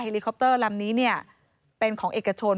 เฮลีคอปเตอร์ลำนี้เนี่ยเป็นของเอกชน